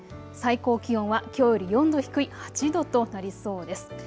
最高気温はきょうより４度低い８度となりそうです。